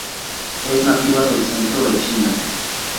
Es nativa del centro de China.